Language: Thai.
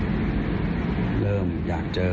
เริ่มอยากเจอทุกคนเริ่มอยากเจอทุกคน